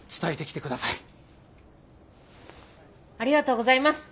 ありがとうございます！